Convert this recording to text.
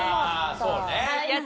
そうね。